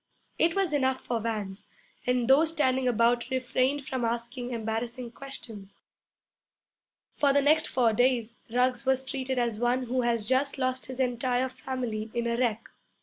It was enough for Vance, and those standing about refrained from asking embarrassing questions. For the next four days Ruggs was treated as one who has just lost his entire family in a wreck.